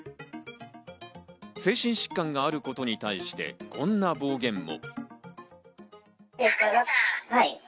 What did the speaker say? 精神疾患があることに対して、こんな暴言も。